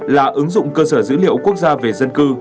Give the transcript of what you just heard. là ứng dụng cơ sở dữ liệu quốc gia về dân cư